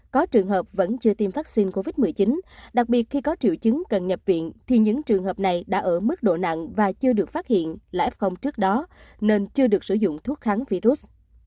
có trường hợp vẫn chưa tiêm vaccine covid một mươi chín đặc biệt khi có triệu chứng cần nhập viện thì những trường hợp này đã ở mức độ nặng và chưa được phát hiện là f trước đó nên chưa được sử dụng thuốc kháng virus